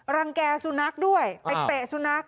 รังแก่สุนัขด้วยไปเตะสุนัข